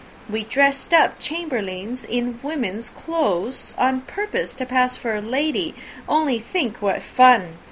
We dressed up Chamberlayne in woman's clothes, on purpose to pass for a lady, only think what fun!